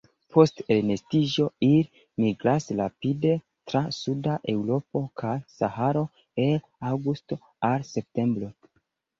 Post elnestiĝo ili migras rapide tra suda Eŭropo kaj Saharo el aŭgusto al septembro.